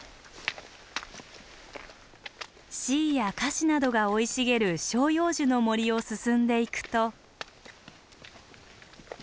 シイやカシなどが生い茂る照葉樹の森を進んでいくと。